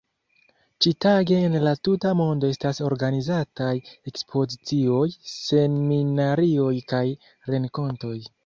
Ĉi-tage en la tuta mondo estas organizataj ekspozicioj, seminarioj kaj renkontoj.